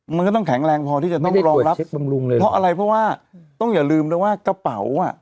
มันก็ต้องแข็งแรงพอที่จะต้องรองรับบำรุงเลยเพราะอะไรเพราะว่าต้องอย่าลืมนะว่ากระเป๋าอ่ะ